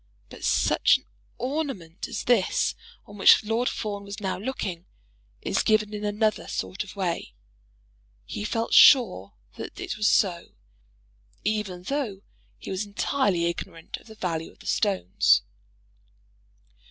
But such an ornament as this on which Lord Fawn was now looking, is given in another sort of way. He felt sure that it was so, even though he was entirely ignorant of the value of the stones.